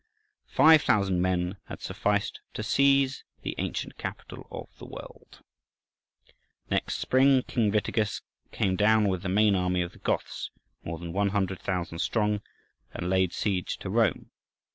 Five thousand men had sufficed to seize the ancient capital of the world! [December, 536.] Next spring King Witiges came down with the main army of the Goths—more than 100,000 strong—and laid siege to Rome.